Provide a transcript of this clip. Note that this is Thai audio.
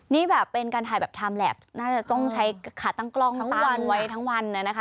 นี่แบบเป็นการถ่ายแบบไทม์แล็บน่าจะต้องใช้ขาตั้งกล้องตั้งวันไว้ทั้งวันนะคะ